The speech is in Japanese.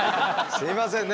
すいませんね